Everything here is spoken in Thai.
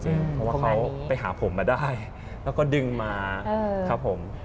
เพราะว่าเขาไปหาผมมาได้แล้วก็ดึงมาครับผม